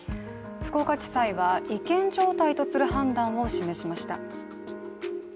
福岡地裁は違憲状態とする判断を示しました。